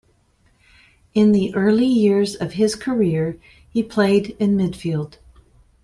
In the early years of his career, he played in midfield.